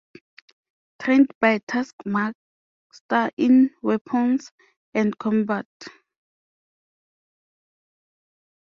Trained by Taskmaster in weapons and combat.